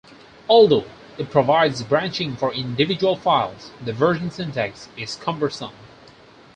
Although it provides branching for individual files, the version syntax is cumbersome.